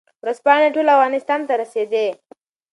ورځپاڼې ټول افغانستان ته رسېدې.